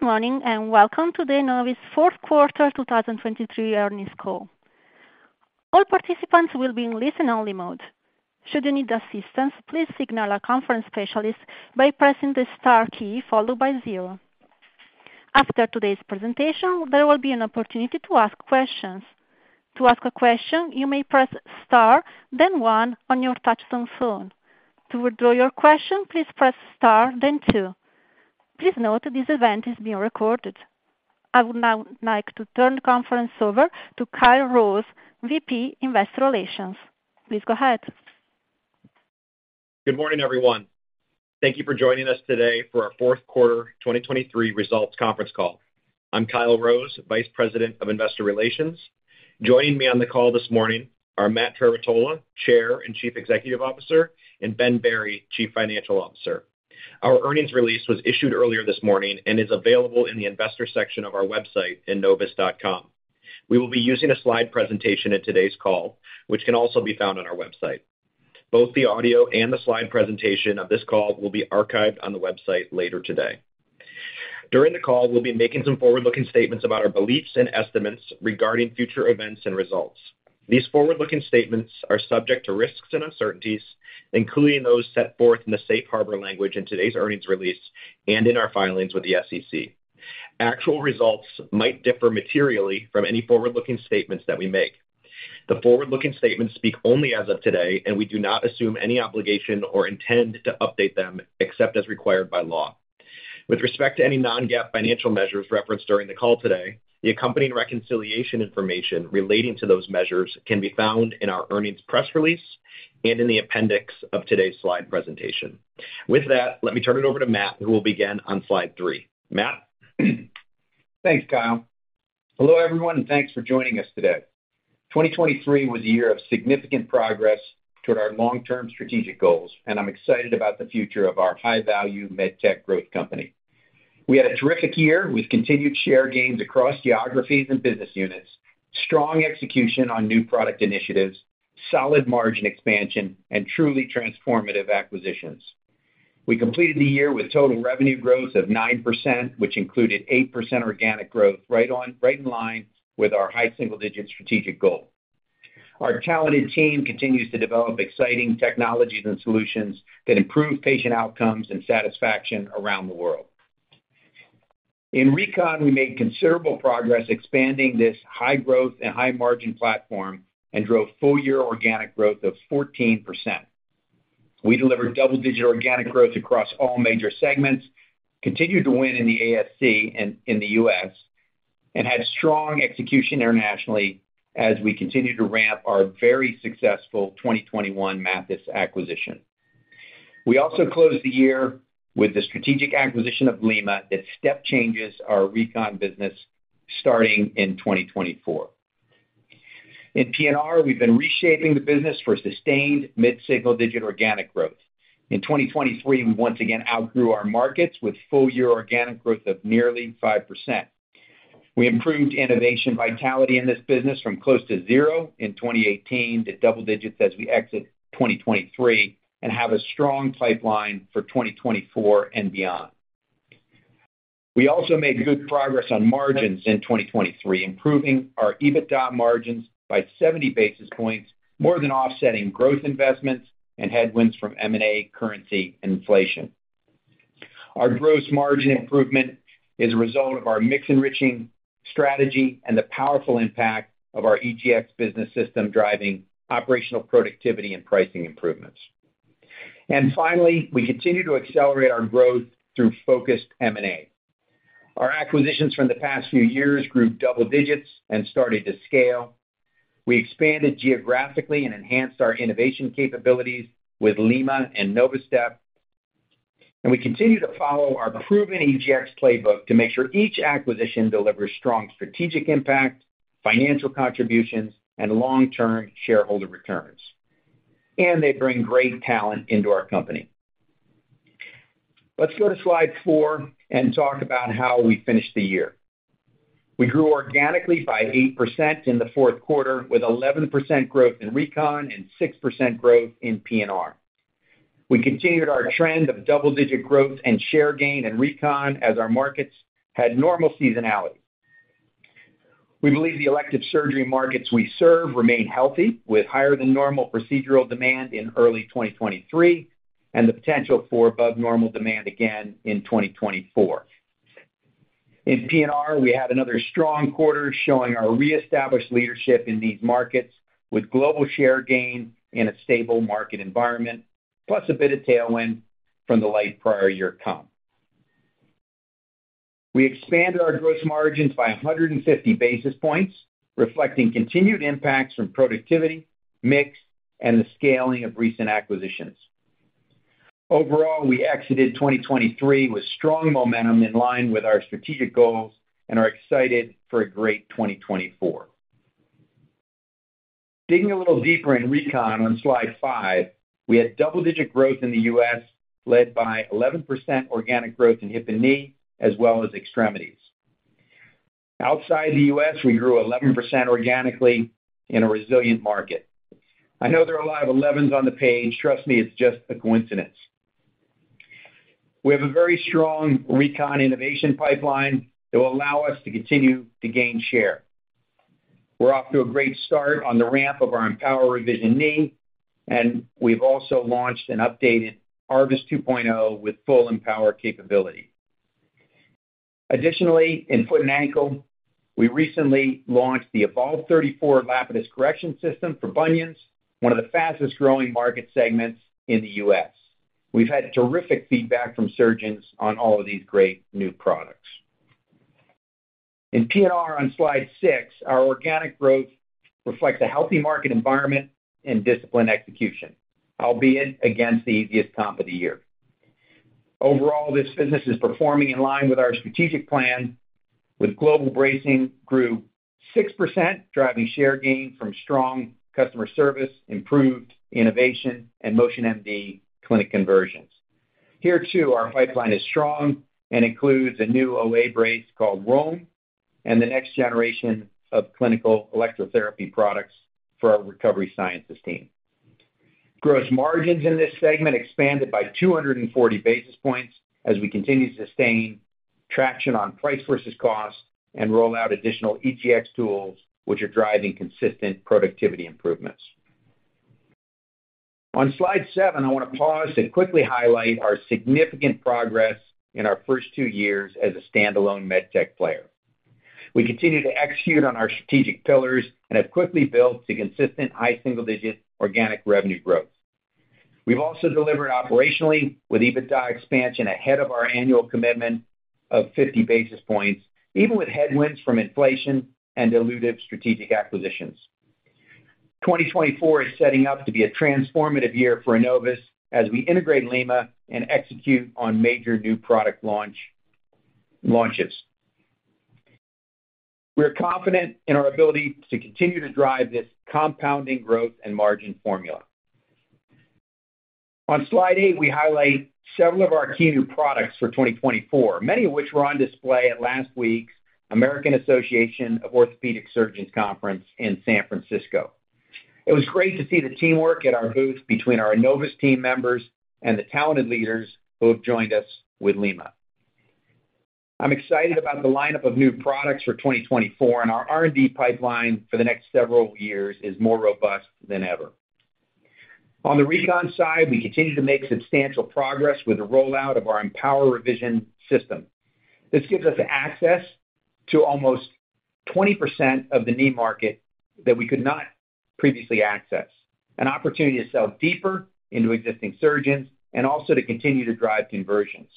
Good morning and welcome to the Enovis Fourth Quarter 2023 Earnings Call. All participants will be in listen-only mode. Should you need assistance, please signal a conference specialist by pressing the star key followed by zero. After today's presentation, there will be an opportunity to ask questions. To ask a question, you may press star, then one, on your touchtone phone. To withdraw your question, please press star, then two. Please note this event is being recorded. I would now like to turn the conference over to Kyle Rose, VP Investor Relations. Please go ahead. Good morning, everyone. Thank you for joining us today for our fourth quarter 2023 results conference call. I'm Kyle Rose, Vice President of Investor Relations. Joining me on the call this morning are Matt Trerotola, Chair and Chief Executive Officer, and Ben Berry, Chief Financial Officer. Our earnings release was issued earlier this morning and is available in the investor section of our website enovis.com. We will be using a slide presentation in today's call, which can also be found on our website. Both the audio and the slide presentation of this call will be archived on the website later today. During the call, we'll be making some forward-looking statements about our beliefs and estimates regarding future events and results. These forward-looking statements are subject to risks and uncertainties, including those set forth in the Safe Harbor language in today's earnings release and in our filings with the SEC. Actual results might differ materially from any forward-looking statements that we make. The forward-looking statements speak only as of today, and we do not assume any obligation or intend to update them except as required by law. With respect to any non-GAAP financial measures referenced during the call today, the accompanying reconciliation information relating to those measures can be found in our earnings press release and in the appendix of today's slide presentation. With that, let me turn it over to Matt, who will begin on Slide three. Matt. Thanks, Kyle. Hello, everyone, and thanks for joining us today. 2023 was a year of significant progress toward our long-term strategic goals, and I'm excited about the future of our high-value medtech growth company. We had a terrific year with continued share gains across geographies and business units, strong execution on new product initiatives, solid margin expansion, and truly transformative acquisitions. We completed the year with total revenue growth of 9%, which included 8% organic growth, right in line with our high single-digit strategic goal. Our talented team continues to develop exciting technologies and solutions that improve patient outcomes and satisfaction around the world. In Recon, we made considerable progress expanding this high-growth and high-margin platform and drove full-year organic growth of 14%. We delivered double-digit Organic Growth across all major segments, continued to win in the ASC and in the U.S., and had strong execution internationally as we continue to ramp our very successful 2021 Mathys acquisition. We also closed the year with the strategic acquisition of Lima that step-changes our Recon business starting in 2024. In P&R, we've been reshaping the business for sustained mid-single digit Organic Growth. In 2023, we once again outgrew our markets with full-year Organic Growth of nearly 5%. We improved Innovation Vitality in this business from close to zero in 2018 to double digits as we exit 2023 and have a strong pipeline for 2024 and beyond. We also made good progress on margins in 2023, improving our EBITDA margins by 70 basis points, more than offsetting growth investments and headwinds from M&A, currency, and inflation. Our gross margin improvement is a result of our mix-enriching strategy and the powerful impact of our EGX business system driving operational productivity and pricing improvements. And finally, we continue to accelerate our growth through focused M&A. Our acquisitions from the past few years grew double digits and started to scale. We expanded geographically and enhanced our innovation capabilities with Lima and Novastep. And we continue to follow our proven EGX playbook to make sure each acquisition delivers strong strategic impact, financial contributions, and long-term shareholder returns. And they bring great talent into our company. Let's go to Slide four and talk about how we finished the year. We grew organically by 8% in the fourth quarter with 11% growth in Recon and 6% growth in P&R. We continued our trend of double-digit growth and share gain in Recon as our markets had normal seasonality. We believe the elective surgery markets we serve remain healthy with higher than normal procedural demand in early 2023 and the potential for above-normal demand again in 2024. In P&R, we had another strong quarter showing our reestablished leadership in these markets with global share gain in a stable market environment, plus a bit of tailwind from the light prior year comp. We expanded our gross margins by 150 basis points, reflecting continued impacts from productivity, mix, and the scaling of recent acquisitions. Overall, we exited 2023 with strong momentum in line with our strategic goals and are excited for a great 2024. Digging a little deeper in Recon on Slide five, we had double-digit growth in the U.S. led by 11% organic growth in hip and knee as well as extremities. Outside the U.S., we grew 11% organically in a resilient market. I know there are a lot of 11s on the page. Trust me, it's just a coincidence. We have a very strong Recon innovation pipeline that will allow us to continue to gain share. We're off to a great start on the ramp of our EMPOWR Revision knee, and we've also launched and updated ARVIS 2.0 with full EMPOWR capability. Additionally, in foot and ankle, we recently launched the Evolve34 Lapidus Correction System for bunions, one of the fastest-growing market segments in the U.S. We've had terrific feedback from surgeons on all of these great new products. In P&R on Slide six, our organic growth reflects a healthy market environment and disciplined execution, albeit against the easiest comp of the year. Overall, this business is performing in line with our strategic plan. With global bracing, grew 6%, driving share gain from strong customer service, improved innovation, and MotionMD clinic conversions. Here too, our pipeline is strong and includes a new OA brace called ROAM and the next generation of clinical electrotherapy products for our recovery sciences team. Gross margins in this segment expanded by 240 basis points as we continue to sustain traction on price versus cost and roll out additional EGX tools, which are driving consistent productivity improvements. On Slide seven, I want to pause to quickly highlight our significant progress in our first 2 years as a standalone medtech player. We continue to execute on our strategic pillars and have quickly built to consistent high single-digit organic revenue growth. We've also delivered operationally with EBITDA expansion ahead of our annual commitment of 50 basis points, even with headwinds from inflation and dilutive strategic acquisitions. 2024 is setting up to be a transformative year for Enovis as we integrate Lima and execute on major new product launches. We're confident in our ability to continue to drive this compounding growth and margin formula. On Slide eight, we highlight several of our key new products for 2024, many of which were on display at last week's American Academy of Orthopaedic Surgeons Conference in San Francisco. It was great to see the teamwork at our booth between our Enovis team members and the talented leaders who have joined us with Lima. I'm excited about the lineup of new products for 2024, and our R&D pipeline for the next several years is more robust than ever. On the Recon side, we continue to make substantial progress with the rollout of our EMPOWR Revision system. This gives us access to almost 20% of the knee market that we could not previously access, an opportunity to sell deeper into existing surgeons and also to continue to drive conversions.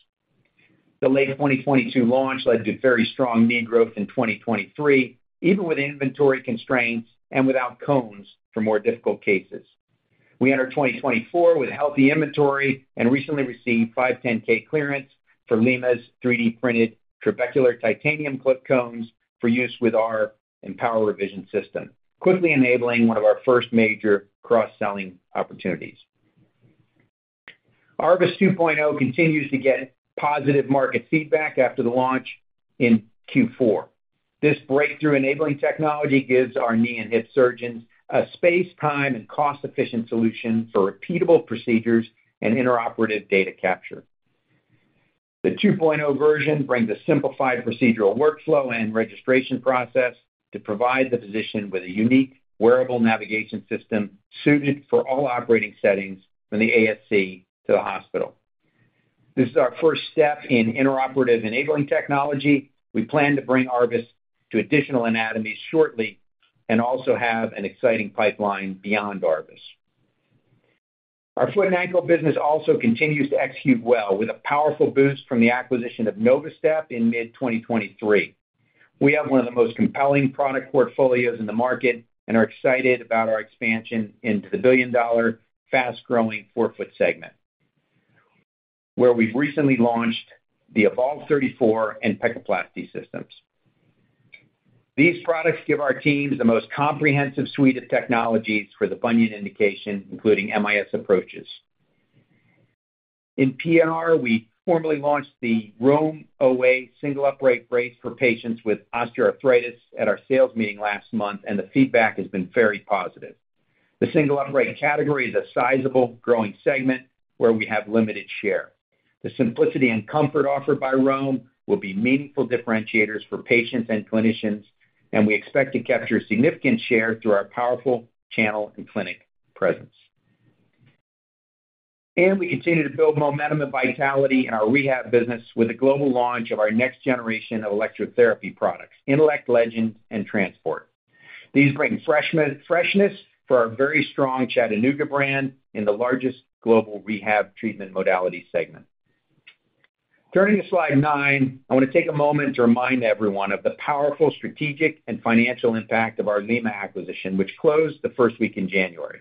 The late 2022 launch led to very strong knee growth in 2023, even with inventory constraints and without cones for more difficult cases. We entered 2024 with healthy inventory and recently received 510(k) clearance for Lima's 3D-printed Trabecular Titanium clip cones for use with our EMPOWR Revision system, quickly enabling one of our first major cross-selling opportunities. ARVIS 2.0 continues to get positive market feedback after the launch in Q4. This breakthrough enabling technology gives our knee and hip surgeons a space, time, and cost-efficient solution for repeatable procedures and intraoperative data capture. The 2.0 version brings a simplified procedural workflow and registration process to provide the physician with a unique wearable navigation system suited for all operating settings, from the ASC to the hospital. This is our first step in intraoperative enabling technology. We plan to bring ARVIS to additional anatomies shortly and also have an exciting pipeline beyond ARVIS. Our foot and ankle business also continues to execute well with a powerful boost from the acquisition of Novastep in mid-2023. We have one of the most compelling product portfolios in the market and are excited about our expansion into the billion-dollar, fast-growing forefoot segment, where we've recently launched the Evolve34 and Pecaplasty systems. These products give our teams the most comprehensive suite of technologies for the bunion indication, including MIS approaches. In P&R, we formally launched the ROAM OA single-upright brace for patients with osteoarthritis at our sales meeting last month, and the feedback has been very positive. The single-upright category is a sizable, growing segment where we have limited share. The simplicity and comfort offered by ROAM will be meaningful differentiators for patients and clinicians, and we expect to capture significant share through our powerful channel and clinic presence. We continue to build momentum and vitality in our rehab business with the global launch of our next generation of electrotherapy products, Intelect Legend and Transport. These bring freshness for our very strong Chattanooga brand in the largest global rehab treatment modality segment. Turning to Slide nine, I want to take a moment to remind everyone of the powerful strategic and financial impact of our Lima acquisition, which closed the first week in January.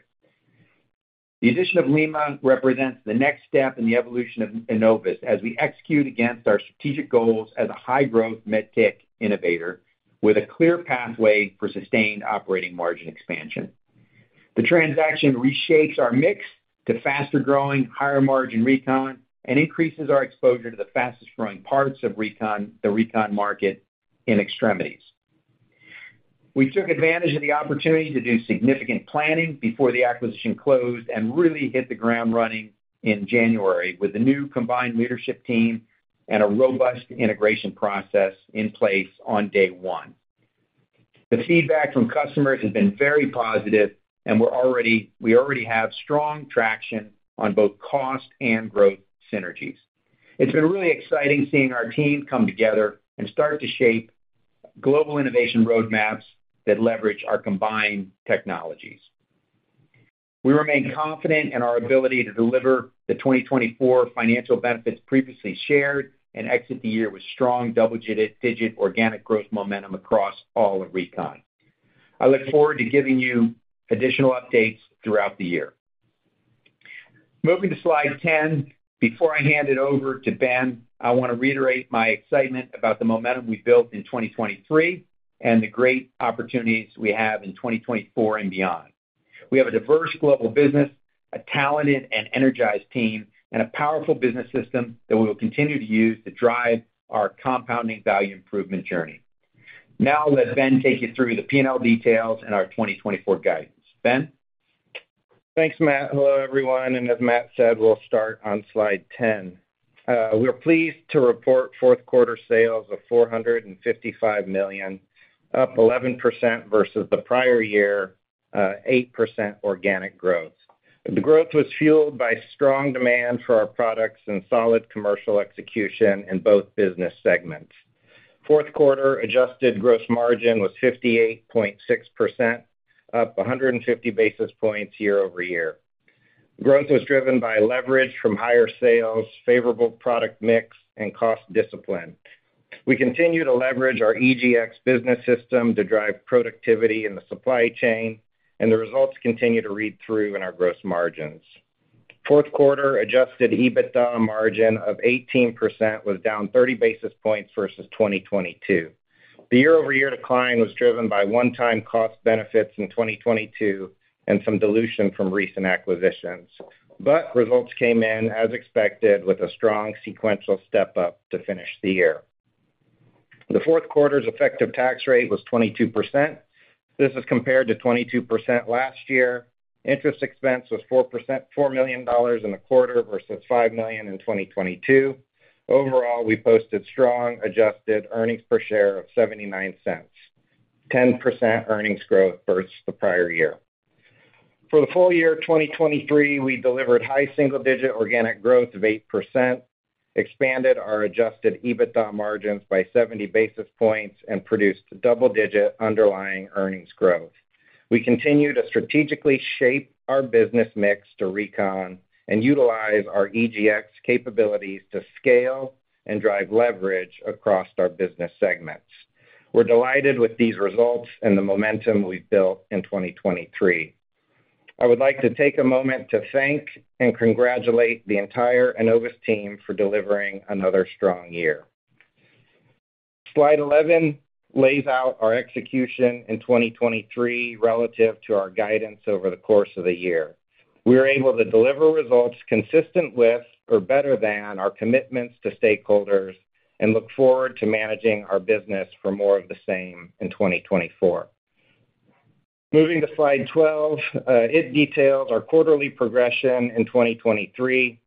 The addition of Lima represents the next step in the evolution of Enovis as we execute against our strategic goals as a high-growth medtech innovator with a clear pathway for sustained operating margin expansion. The transaction reshapes our mix to faster-growing, higher-margin Recon and increases our exposure to the fastest-growing parts of the Recon market in extremities. We took advantage of the opportunity to do significant planning before the acquisition closed and really hit the ground running in January with the new combined leadership team and a robust integration process in place on day one. The feedback from customers has been very positive, and we already have strong traction on both cost and growth synergies. It's been really exciting seeing our team come together and start to shape global innovation roadmaps that leverage our combined technologies. We remain confident in our ability to deliver the 2024 financial benefits previously shared and exit the year with strong double-digit organic growth momentum across all of Recon. I look forward to giving you additional updates throughout the year. Moving to Slide 10, before I hand it over to Ben, I want to reiterate my excitement about the momentum we built in 2023 and the great opportunities we have in 2024 and beyond. We have a diverse global business, a talented and energized team, and a powerful business system that we will continue to use to drive our compounding value improvement journey. Now I'll let Ben take you through the P&L details and our 2024 guidance. Ben. Thanks, Matt. Hello, everyone. And as Matt said, we'll start on Slide 10. We're pleased to report fourth-quarter sales of $455 million, up 11% versus the prior year, 8% organic growth. The growth was fueled by strong demand for our products and solid commercial execution in both business segments. Fourth-quarter adjusted gross margin was 58.6%, up 150 basis points year-over-year. Growth was driven by leverage from higher sales, favorable product mix, and cost discipline. We continue to leverage our EGX business system to drive productivity in the supply chain, and the results continue to read through in our gross margins. Fourth quarter Adjusted EBITDA margin of 18% was down 30 basis points versus 2022. The year-over-year decline was driven by one-time cost benefits in 2022 and some dilution from recent acquisitions. But results came in as expected with a strong sequential step-up to finish the year. The fourth quarter's effective tax rate was 22%. This is compared to 22% last year. Interest expense was $4 million in the quarter versus $5 million in 2022. Overall, we posted strong adjusted earnings per share of $0.79. 10% earnings growth versus the prior year. For the full year 2023, we delivered high single-digit organic growth of 8%, expanded our Adjusted EBITDA margins by 70 basis points, and produced double-digit underlying earnings growth. We continue to strategically shape our business mix to Recon and utilize our EGX capabilities to scale and drive leverage across our business segments. We're delighted with these results and the momentum we've built in 2023. I would like to take a moment to thank and congratulate the entire Enovis team for delivering another strong year. Slide 11 lays out our execution in 2023 relative to our guidance over the course of the year. We were able to deliver results consistent with or better than our commitments to stakeholders and look forward to managing our business for more of the same in 2024. Moving to Slide 12, it details our quarterly progression in 2023.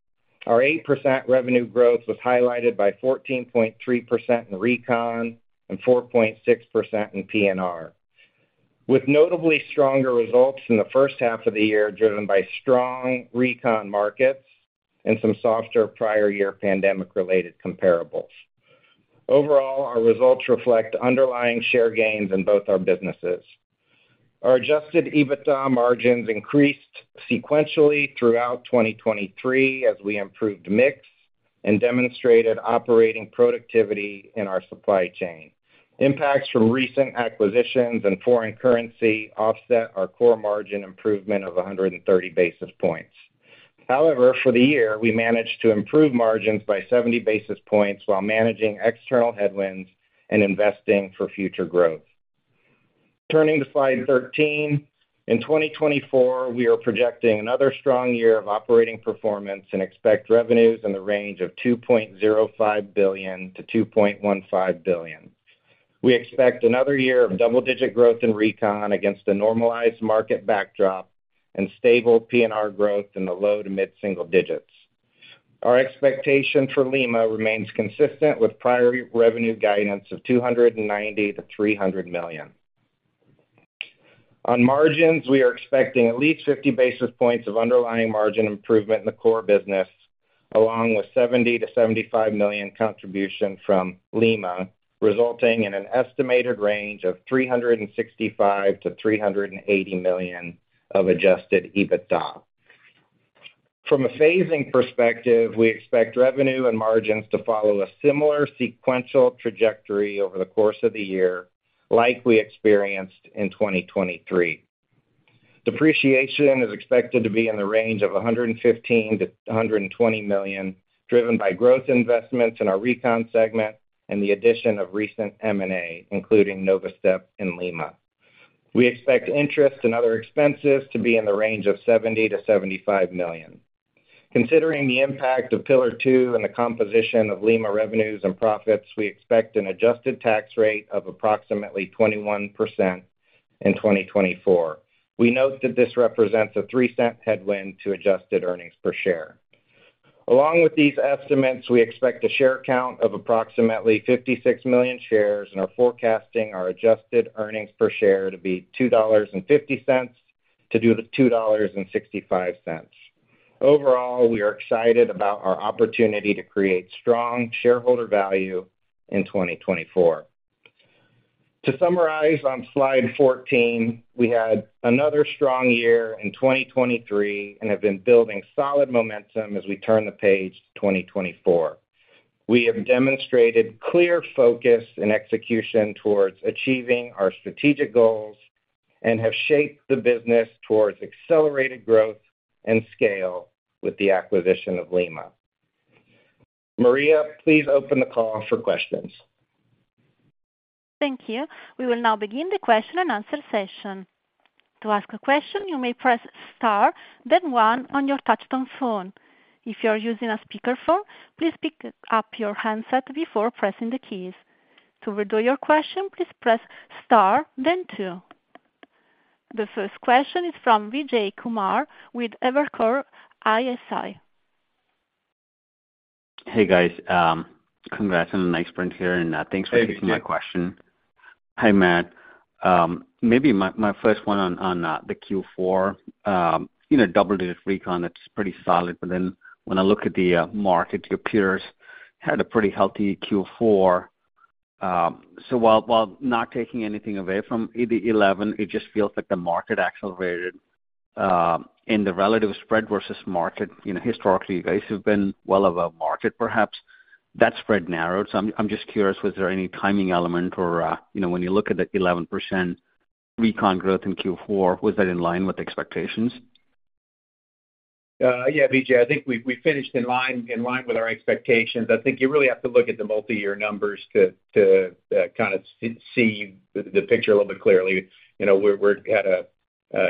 Our 8% revenue growth was highlighted by 14.3% in Recon and 4.6% in P&R, with notably stronger results in the first half of the year driven by strong Recon markets and some softer prior-year pandemic-related comparables. Overall, our results reflect underlying share gains in both our businesses. Our Adjusted EBITDA margins increased sequentially throughout 2023 as we improved mix and demonstrated operating productivity in our supply chain. Impacts from recent acquisitions and foreign currency offset our core margin improvement of 130 basis points. However, for the year, we managed to improve margins by 70 basis points while managing external headwinds and investing for future growth. Turning to Slide 13, in 2024, we are projecting another strong year of operating performance and expect revenues in the range of $2.05 billion-$2.15 billion. We expect another year of double-digit growth in Recon against a normalized market backdrop and stable P&R growth in the low to mid-single digits. Our expectation for Lima remains consistent with prior revenue guidance of $290 million-$300 million. On margins, we are expecting at least 50 basis points of underlying margin improvement in the core business, along with $70 million-$75 million contribution from Lima, resulting in an estimated range of $365 million-$380 million of Adjusted EBITDA. From a phasing perspective, we expect revenue and margins to follow a similar sequential trajectory over the course of the year like we experienced in 2023. Depreciation is expected to be in the range of $115 million-$120 million, driven by growth investments in our Recon segment and the addition of recent M&A, including Novastep and Lima. We expect interest and other expenses to be in the range of $70 million-$75 million. Considering the impact of Pillar Two and the composition of Lima revenues and profits, we expect an adjusted tax rate of approximately 21% in 2024. We note that this represents a $0.03 headwind to adjusted earnings per share. Along with these estimates, we expect a share count of approximately 56 million shares and are forecasting our adjusted earnings per share to be $2.50-$2.65. Overall, we are excited about our opportunity to create strong shareholder value in 2024. To summarize on Slide 14, we had another strong year in 2023 and have been building solid momentum as we turn the page to 2024. We have demonstrated clear focus and execution towards achieving our strategic goals and have shaped the business towards accelerated growth and scale with the acquisition of Lima. Maria, please open the call for questions. Thank you. We will now begin the question and answer session. To ask a question, you may press star, then one, on your touch-tone phone. If you are using a speakerphone, please pick up your handset before pressing the keys. To redo your question, please press star, then two. The first question is from Vijay Kumar with Evercore ISI. Hey, guys. Congrats on the nice sprint here, and thanks for taking my question. Hi, Matt. Maybe my first one on the Q4. Double-digit Recon, that's pretty solid. But then when I look at the market, your peers had a pretty healthy Q4. So while not taking anything away from the 11, it just feels like the market accelerated in the relative spread versus market. Historically, you guys have been well above market, perhaps. That spread narrowed. So I'm just curious, was there any timing element or when you look at the 11% Recon growth in Q4, was that in line with expectations? Yeah, Vijay. I think we finished in line with our expectations. I think you really have to look at the multi-year numbers to kind of see the picture a little bit clearly. We had a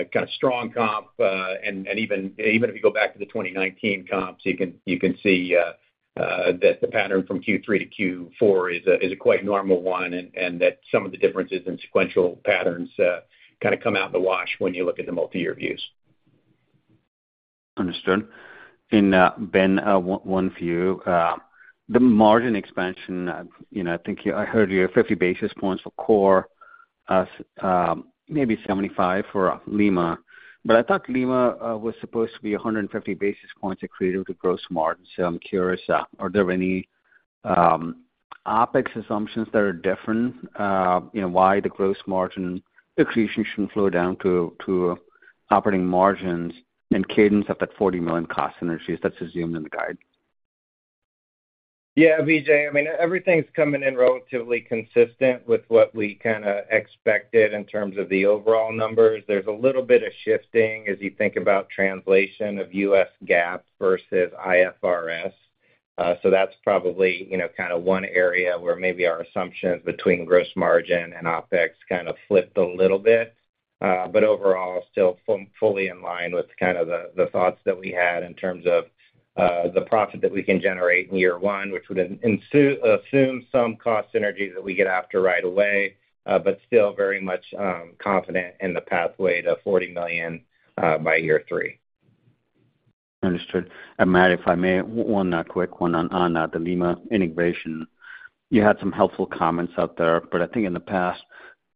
kind of strong comp. Even if you go back to the 2019 comps, you can see that the pattern from Q3 to Q4 is a quite normal one and that some of the differences in sequential patterns kind of come out in the wash when you look at the multi-year views. Understood. And Ben, one for you. The margin expansion, I think I heard you have 50 basis points for core, maybe 75 for Lima. But I thought Lima was supposed to be 150 basis points accretive to gross margin. So I'm curious, are there any OpEx assumptions that are different? Why the gross margin accretion shouldn't flow down to operating margins and cadence of that $40 million cost synergies that's assumed in the guide? Yeah, Vijay. I mean, everything's coming in relatively consistent with what we kind of expected in terms of the overall numbers. There's a little bit of shifting as you think about translation of U.S. GAAP versus IFRS. So that's probably kind of one area where maybe our assumptions between gross margin and OPEX kind of flipped a little bit. But overall, still fully in line with kind of the thoughts that we had in terms of the profit that we can generate in year one, which would assume some cost synergies that we get after right away, but still very much confident in the pathway to $40 million by year three. Understood. And Matt, if I may, one quick one on the Lima integration. You had some helpful comments out there, but I think in the past,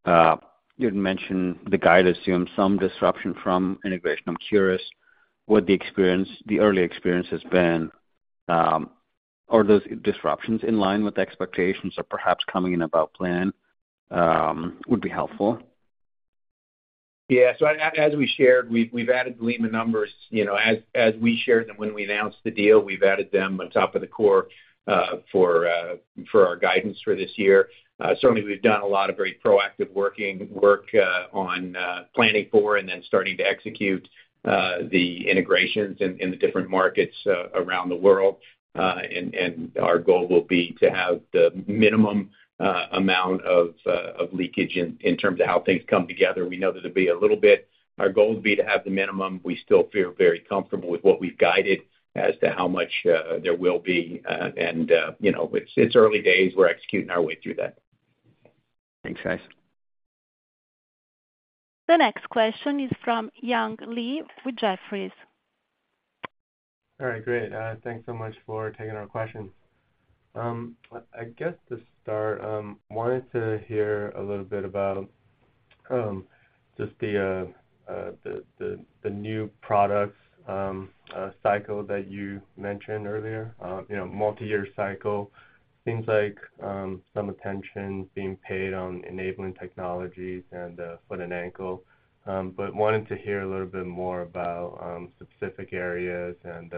you had mentioned the guide assumed some disruption from integration. I'm curious, what the early experience has been? Are those disruptions in line with expectations or perhaps coming in about plan would be helpful? Yeah. So as we shared, we've added the Lima numbers. As we shared them when we announced the deal, we've added them on top of the core for our guidance for this year. Certainly, we've done a lot of very proactive work on planning for and then starting to execute the integrations in the different markets around the world. And our goal will be to have the minimum amount of leakage in terms of how things come together. We know that it'll be a little bit, our goal would be to have the minimum. We still feel very comfortable with what we've guided as to how much there will be. And it's early days. We're executing our way through that. Thanks, guys. The next question is from Young Li with Jefferies. All right. Great. Thanks so much for taking our questions. I guess to start, I wanted to hear a little bit about just the new products cycle that you mentioned earlier, multi-year cycle. Seems like some attention being paid on enabling technologies and foot and ankle. But wanted to hear a little bit more about specific areas and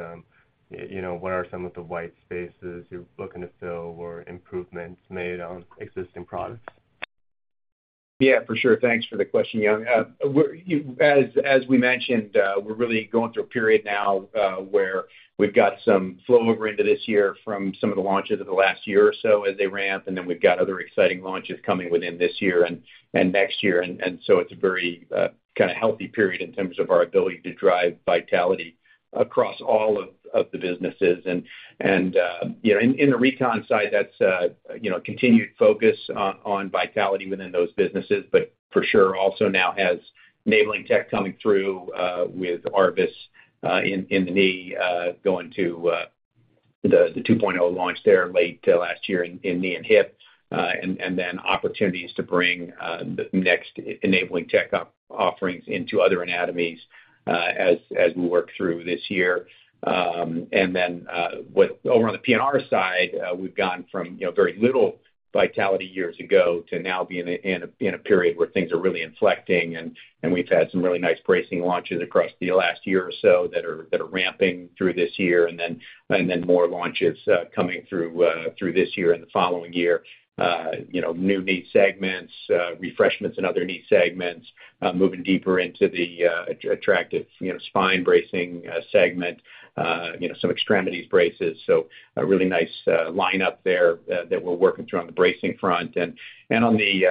what are some of the white spaces you're looking to fill or improvements made on existing products? Yeah, for sure. Thanks for the question, Young. As we mentioned, we're really going through a period now where we've got some flow over into this year from some of the launches of the last year or so as they ramp. And then we've got other exciting launches coming within this year and next year. And so it's a very kind of healthy period in terms of our ability to drive vitality across all of the businesses. And in the Recon side, that's continued focus on vitality within those businesses, but for sure also now has enabling tech coming through with ARVIS in the knee going to the 2.0 launch there late last year in knee and hip, and then opportunities to bring the next enabling tech offerings into other anatomies as we work through this year. And then over on the P&R side, we've gone from very little vitality years ago to now being in a period where things are really inflecting. And we've had some really nice bracing launches across the last year or so that are ramping through this year, and then more launches coming through this year and the following year, new knee segments, refreshments in other knee segments, moving deeper into the attractive spine bracing segment, some extremities braces. So a really nice lineup there that we're working through on the bracing front. And on the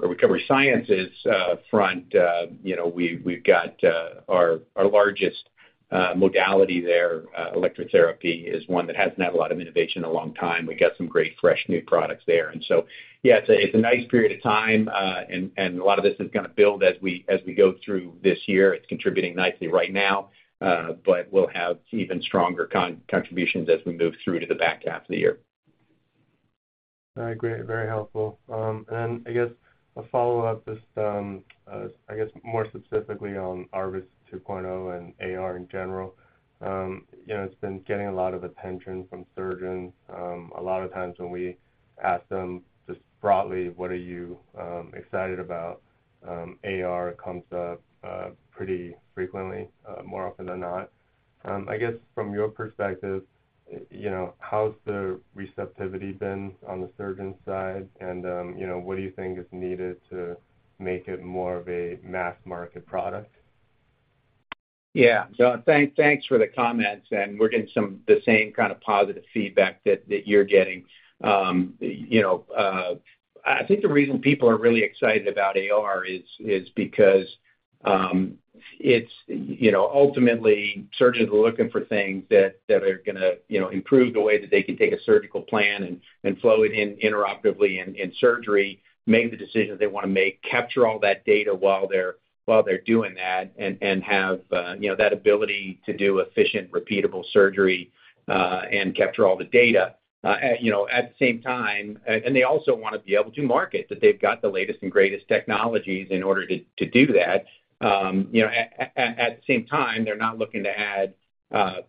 recovery sciences front, we've got our largest modality there, electrotherapy, is one that hasn't had a lot of innovation a long time. We got some great fresh new products there. And so, yeah, it's a nice period of time. And a lot of this is going to build as we go through this year. It's contributing nicely right now, but we'll have even stronger contributions as we move through to the back half of the year. All right. Great. Very helpful. And then I guess a follow-up, just I guess more specifically on ARVIS 2.0 and AR in general. It's been getting a lot of attention from surgeons. A lot of times when we ask them just broadly, "What are you excited about?" AR comes up pretty frequently, more often than not. I guess from your perspective, how's the receptivity been on the surgeon side? And what do you think is needed to make it more of a mass-market product? Yeah. So thanks for the comments. And we're getting some of the same kind of positive feedback that you're getting. I think the reason people are really excited about AR is because ultimately, surgeons are looking for things that are going to improve the way that they can take a surgical plan and flow it in intraoperatively in surgery, make the decisions they want to make, capture all that data while they're doing that, and have that ability to do efficient, repeatable surgery and capture all the data. At the same time, and they also want to be able to market that they've got the latest and greatest technologies in order to do that. At the same time, they're not looking to add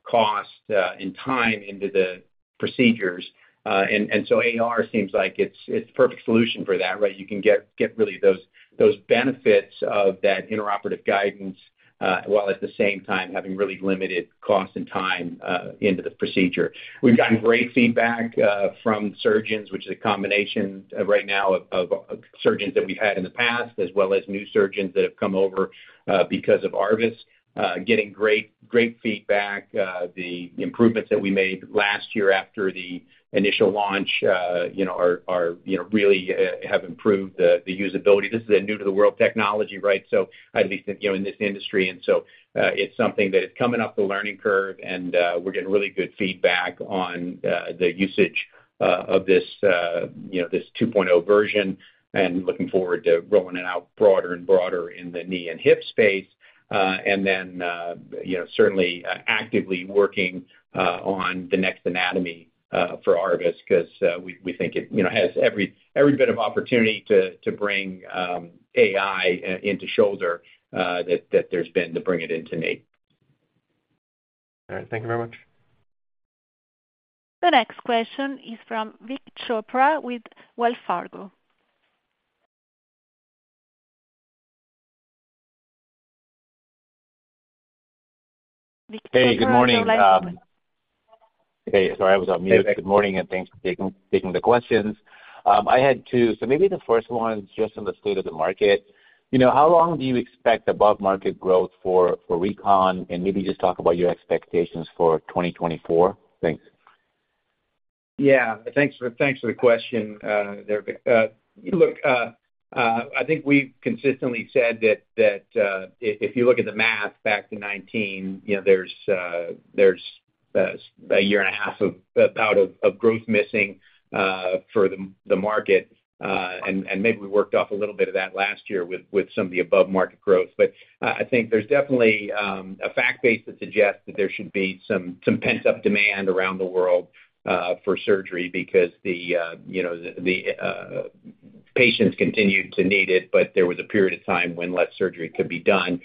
cost and time into the procedures. And so AR seems like it's the perfect solution for that, right? You can get really those benefits of that intraoperative guidance while at the same time having really limited cost and time into the procedure. We've gotten great feedback from surgeons, which is a combination right now of surgeons that we've had in the past as well as new surgeons that have come over because of ARVIS. Getting great feedback. The improvements that we made last year after the initial launch really have improved the usability. This is a new-to-the-world technology, right? So at least in this industry. And so it's something that is coming up the learning curve. And we're getting really good feedback on the usage of this 2.0 version and looking forward to rolling it out broader and broader in the knee and hip space. And then certainly actively working on the next anatomy for ARVIS because we think it has every bit of opportunity to bring AI into shoulder that there's been to bring it into knee. All right. Thank you very much. The next question is from Vik Chopra with Wells Fargo. Vik Chopra. Hey, good morning. Hey, sorry, I was off mute. Good morning, and thanks for taking the questions. I had two. So maybe the first one is just on the state of the market. How long do you expect above-market growth for Recon? And maybe just talk about your expectations for 2024. Thanks. Yeah. Thanks for the question, Derek. Look, I think we've consistently said that if you look at the math back to 2019, there's a year and a half of growth missing for the market. And maybe we worked off a little bit of that last year with some of the above-market growth. But I think there's definitely a fact base to suggest that there should be some pent-up demand around the world for surgery because the patients continued to need it, but there was a period of time when less surgery could be done.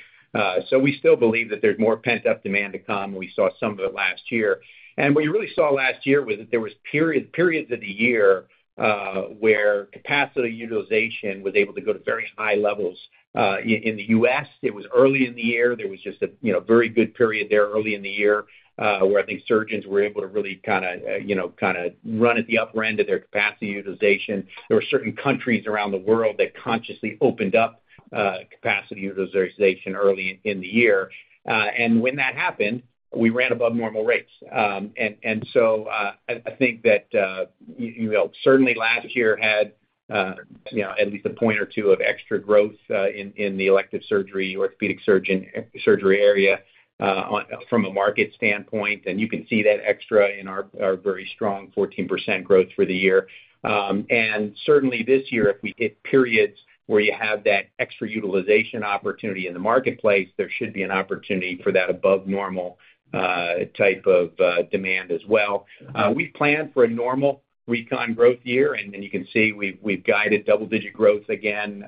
So we still believe that there's more pent-up demand to come. We saw some of it last year. And what you really saw last year was that there were periods of the year where capacity utilization was able to go to very high levels. In the U.S., it was early in the year. There was just a very good period there early in the year where I think surgeons were able to really kind of run at the upper end of their capacity utilization. There were certain countries around the world that consciously opened up capacity utilization early in the year. And when that happened, we ran above normal rates. And so I think that certainly last year had at least a point or two of extra growth in the elective surgery, orthopedic surgery area from a market standpoint. And you can see that extra in our very strong 14% growth for the year. And certainly this year, if we hit periods where you have that extra utilization opportunity in the marketplace, there should be an opportunity for that above-normal type of demand as well. We've planned for a normal Recon growth year. And then you can see we've guided double-digit growth again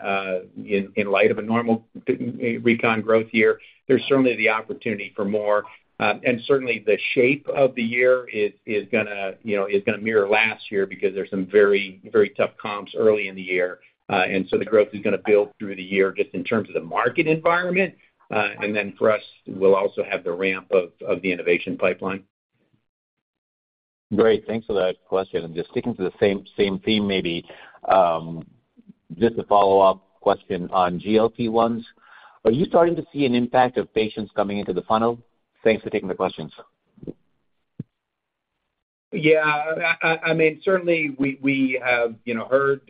in light of a normal Recon growth year. There's certainly the opportunity for more. And certainly, the shape of the year is going to mirror last year because there's some very, very tough comps early in the year. And so the growth is going to build through the year just in terms of the market environment. And then for us, we'll also have the ramp of the innovation pipeline. Great. Thanks for that question. Just sticking to the same theme maybe, just a follow-up question on GLP-1s. Are you starting to see an impact of patients coming into the funnel? Thanks for taking the questions. Yeah. I mean, certainly, we have heard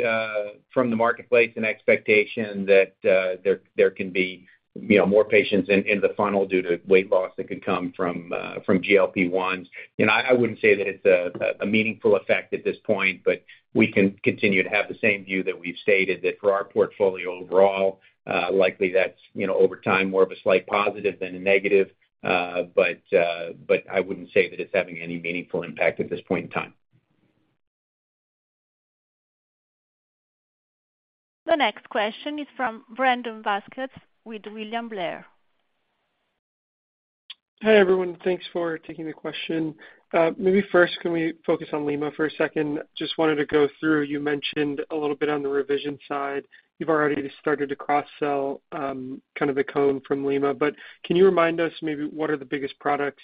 from the marketplace an expectation that there can be more patients in the funnel due to weight loss that could come from GLP-1s. I wouldn't say that it's a meaningful effect at this point, but we can continue to have the same view that we've stated that for our portfolio overall, likely that's over time more of a slight positive than a negative. But I wouldn't say that it's having any meaningful impact at this point in time. The next question is from Brandon Vazquez with William Blair. Hi, everyone. Thanks for taking the question. Maybe first, can we focus on Lima for a second? Just wanted to go through. You mentioned a little bit on the revision side. You've already started to cross-sell kind of the cone from Lima. But can you remind us maybe what are the biggest products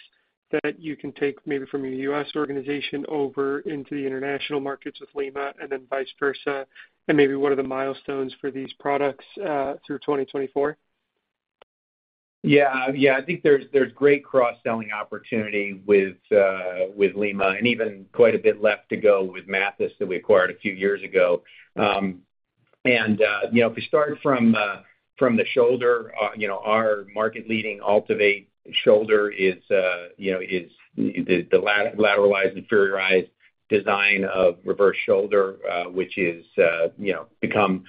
that you can take maybe from your U.S. organization over into the international markets with Lima and then vice versa? And maybe what are the milestones for these products through 2024? Yeah. Yeah. I think there's great cross-selling opportunity with Lima and even quite a bit left to go with Mathys that we acquired a few years ago. And if we start from the shoulder, our market-leading AltiVate shoulder is the lateralized, inferiorized design of reverse shoulder, which has become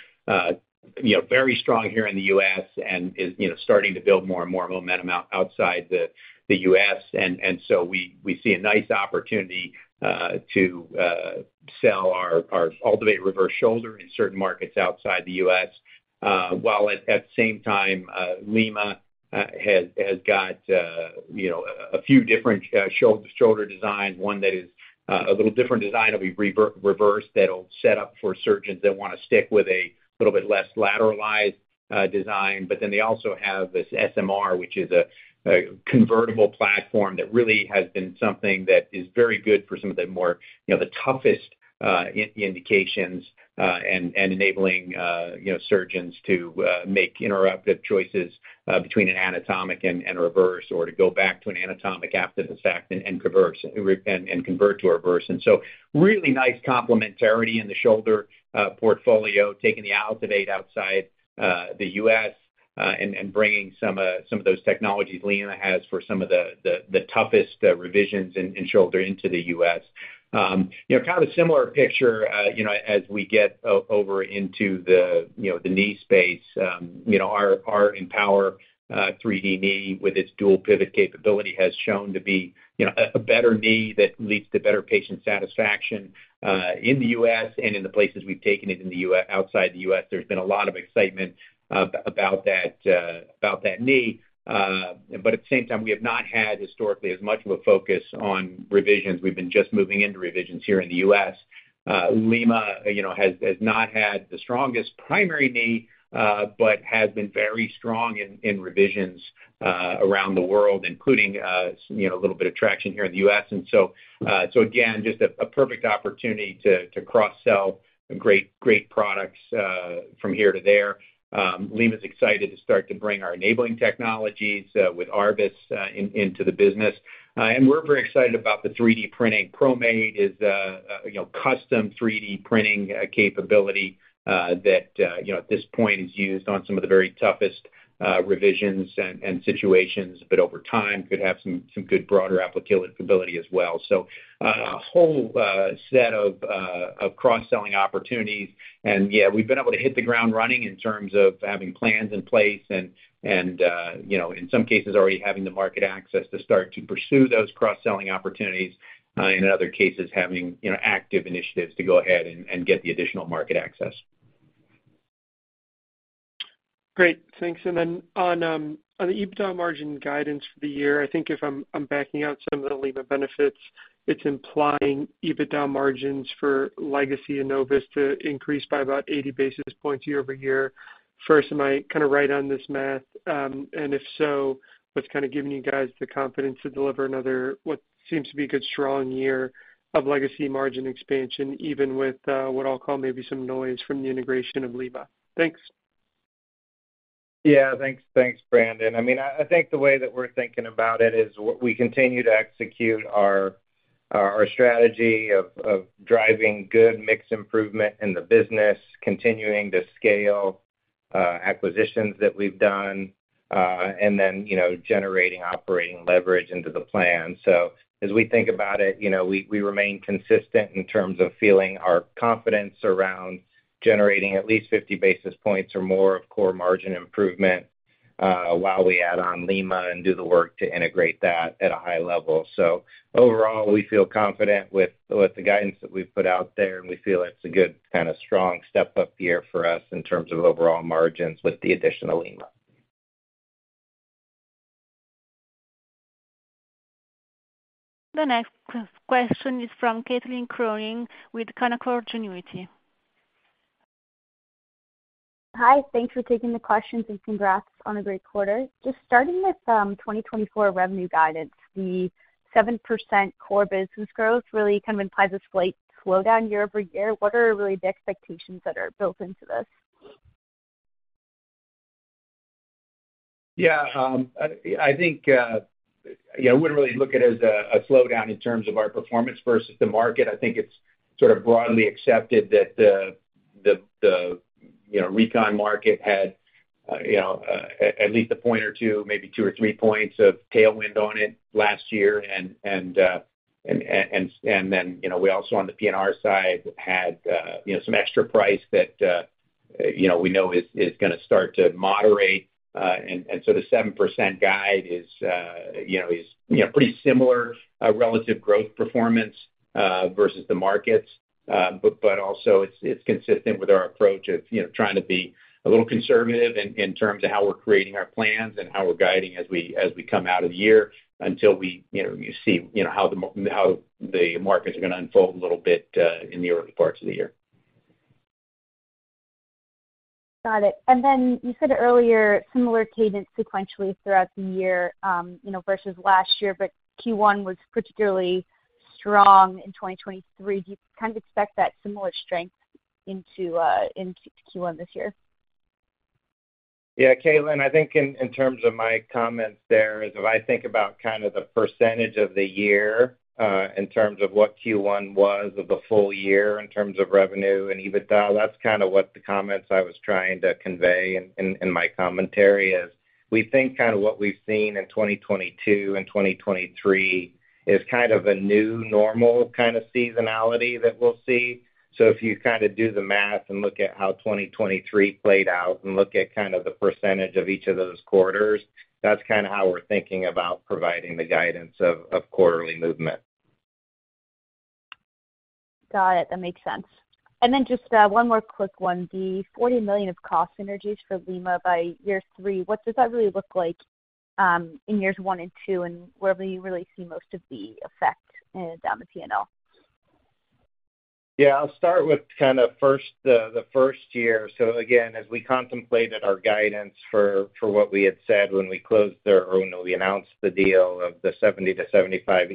very strong here in the U.S. and is starting to build more and more momentum outside the U.S. And so we see a nice opportunity to sell our AltiVate reverse shoulder in certain markets outside the U.S. While at the same time, Lima has got a few different shoulder designs, one that is a little different design that'll be reversed that'll set up for surgeons that want to stick with a little bit less lateralized design. But then they also have this SMR, which is a convertible platform that really has been something that is very good for some of the toughest indications and enabling surgeons to make intraoperative choices between an anatomic and reverse or to go back to an anatomic after the fact and convert to reverse. And so really nice complementarity in the shoulder portfolio, taking the AltiVate outside the U.S. and bringing some of those technologies Lima has for some of the toughest revisions in shoulder into the U.S. Kind of a similar picture as we get over into the knee space, our EMPOWR 3D knee with its dual pivot capability has shown to be a better knee that leads to better patient satisfaction in the U.S. And in the places we've taken it outside the U.S., there's been a lot of excitement about that knee. But at the same time, we have not had historically as much of a focus on revisions. We've been just moving into revisions here in the U.S. Lima has not had the strongest primary knee but has been very strong in revisions around the world, including a little bit of traction here in the U.S. And so again, just a perfect opportunity to cross-sell great products from here to there. Lima is excited to start to bring our enabling technologies with ARVIS into the business. And we're very excited about the 3D printing. ProMade is a custom 3D printing capability that at this point is used on some of the very toughest revisions and situations, but over time could have some good broader applicability as well. So a whole set of cross-selling opportunities. Yeah, we've been able to hit the ground running in terms of having plans in place and in some cases, already having the market access to start to pursue those cross-selling opportunities. In other cases, having active initiatives to go ahead and get the additional market access. Great. Thanks. And then on the EBITDA margin guidance for the year, I think if I'm backing out some of the Lima benefits, it's implying EBITDA margins for legacy and Novastep to increase by about 80 basis points year-over-year. First, am I kind of right on this math? And if so, what's kind of giving you guys the confidence to deliver another what seems to be a good, strong year of legacy margin expansion even with what I'll call maybe some noise from the integration of Lima? Thanks. Yeah. Thanks. Thanks, Brandon. I mean, I think the way that we're thinking about it is we continue to execute our strategy of driving good mixed improvement in the business, continuing to scale acquisitions that we've done, and then generating operating leverage into the plan. So as we think about it, we remain consistent in terms of feeling our confidence around generating at least 50 basis points or more of core margin improvement while we add on Lima and do the work to integrate that at a high level. So overall, we feel confident with the guidance that we've put out there, and we feel it's a good kind of strong step-up year for us in terms of overall margins with the additional Lima. The next question is from Caitlin Cronin with Canaccord Genuity. Hi. Thanks for taking the questions and congrats on a great quarter. Just starting with 2024 revenue guidance, the 7% core business growth really kind of implies a slight slowdown year-over-year. What are really the expectations that are built into this? Yeah. I think I wouldn't really look at it as a slowdown in terms of our performance versus the market. I think it's sort of broadly accepted that the Recon market had at least a point or two, maybe two or three points of tailwind on it last year. And then we also on the P&R side had some extra price that we know is going to start to moderate. And so the 7% guide is pretty similar, relative growth performance versus the markets. But also, it's consistent with our approach of trying to be a little conservative in terms of how we're creating our plans and how we're guiding as we come out of the year until we see how the markets are going to unfold a little bit in the early parts of the year. Got it. And then you said earlier similar cadence sequentially throughout the year versus last year, but Q1 was particularly strong in 2023. Do you kind of expect that similar strength into Q1 this year? Yeah, Caitlin, I think in terms of my comments, there is if I think about kind of the percentage of the year in terms of what Q1 was of the full year in terms of revenue and EBITDA, that's kind of what the comments I was trying to convey in my commentary is. We think kind of what we've seen in 2022 and 2023 is kind of a new normal kind of seasonality that we'll see. So if you kind of do the math and look at how 2023 played out and look at kind of the percentage of each of those quarters, that's kind of how we're thinking about providing the guidance of quarterly movement. Got it. That makes sense. Then just one more quick one. The $40 million of cost synergies for Lima by year three, what does that really look like in years one and two and where do you really see most of the effect down the P&L? Yeah. I'll start with kind of the first year. So again, as we contemplated our guidance for what we had said when we closed the or when we announced the deal of the $70 million-$75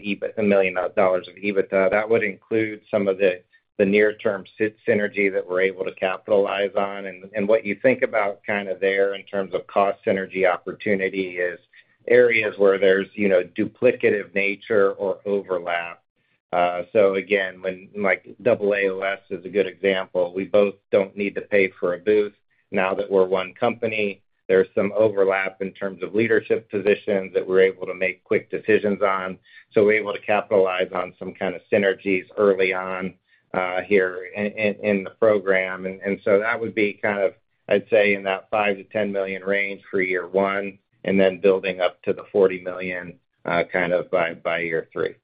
million of EBITDA, that would include some of the near-term synergy that we're able to capitalize on. And what you think about kind of there in terms of cost synergy opportunity is areas where there's duplicative nature or overlap. So again, AAOS is a good example. We both don't need to pay for a booth. Now that we're one company, there's some overlap in terms of leadership positions that we're able to make quick decisions on. So we're able to capitalize on some kind of synergies early on here in the program. And so that would be kind of, I'd say, in that $5 million-$10 million range for year one and then building up to the $40 million kind of by year three.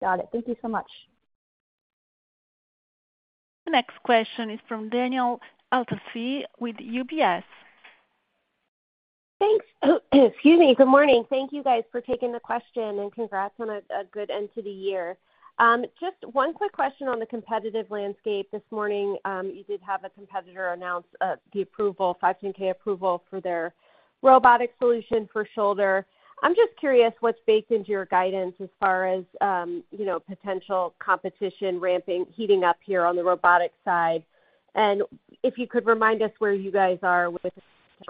Got it. Thank you so much. The next question is from Danielle Antalffy with UBS. Thanks. Excuse me. Good morning. Thank you, guys, for taking the question, and congrats on a good end to the year. Just one quick question on the competitive landscape. This morning, you did have a competitor announce the approval, 510(k) approval, for their robotic solution for shoulder. I'm just curious what's baked into your guidance as far as potential competition heating up here on the robotic side. And if you could remind us where you guys are with the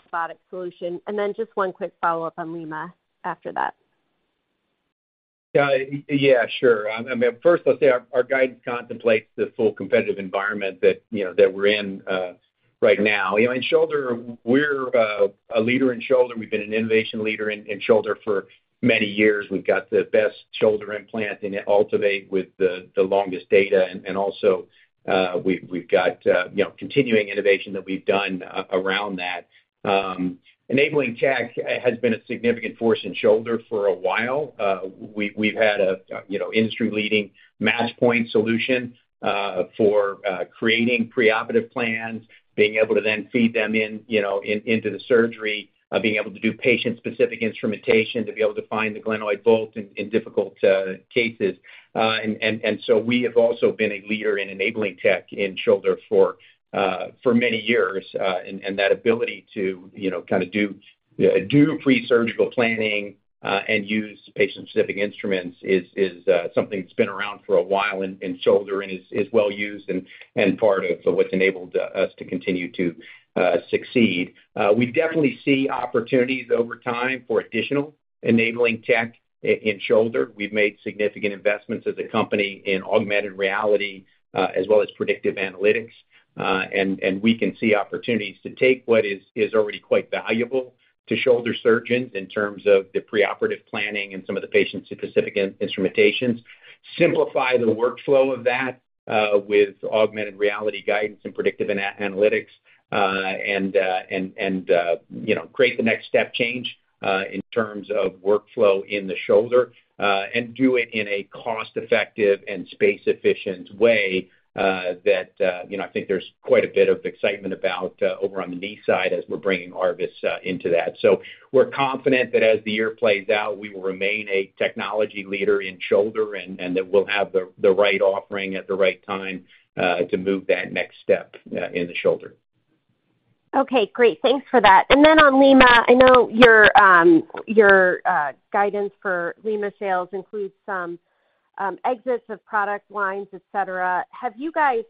robotic solution. And then just one quick follow-up on Lima after that. Yeah. Yeah. Sure. I mean, first, I'll say our guidance contemplates the full competitive environment that we're in right now. In shoulder, we're a leader in shoulder. We've been an innovation leader in shoulder for many years. We've got the best shoulder implant in AltiVate with the longest data. And also, we've got continuing innovation that we've done around that. Enabling tech has been a significant force in shoulder for a while. We've had an industry-leading Match Point solution for creating preoperative plans, being able to then feed them into the surgery, being able to do patient-specific instrumentation, to be able to find the glenoid bolt in difficult cases. And so we have also been a leader in enabling tech in shoulder for many years. That ability to kind of do pre-surgical planning and use patient-specific instruments is something that's been around for a while in shoulder and is well used and part of what's enabled us to continue to succeed. We definitely see opportunities over time for additional enabling tech in shoulder. We've made significant investments as a company in augmented reality as well as predictive analytics. And we can see opportunities to take what is already quite valuable to shoulder surgeons in terms of the preoperative planning and some of the patient-specific instrumentations, simplify the workflow of that with augmented reality guidance and predictive analytics, and create the next step change in terms of workflow in the shoulder, and do it in a cost-effective and space-efficient way that I think there's quite a bit of excitement about over on the knee side as we're bringing ARVIS into that. We're confident that as the year plays out, we will remain a technology leader in shoulder and that we'll have the right offering at the right time to move that next step in the shoulder. Okay. Great. Thanks for that. And then on Lima, I know your guidance for Lima sales includes some exits of product lines, etc. Have you guys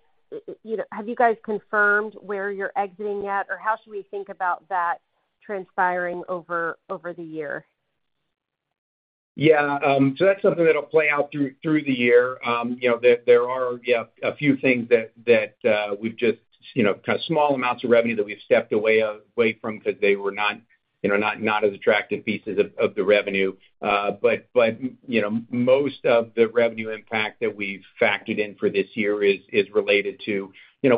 confirmed where you're exiting yet, or how should we think about that transpiring over the year? Yeah. So that's something that'll play out through the year. There are, yeah, a few things that we've just kind of small amounts of revenue that we've stepped away from because they were not as attractive pieces of the revenue. But most of the revenue impact that we've factored in for this year is related to